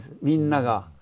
みんなが。